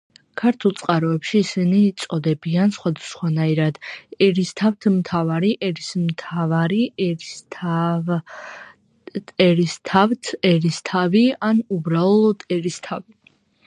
ქართულ წყაროებში ისინი იწოდებიან სხვადასხვანაირად: ერისთავთ მთავარი, ერისმთავარი, ერისთავთ-ერისთავი ან უბრალოდ ერისთავი.